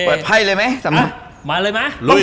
ปริภัยเลยมั้ย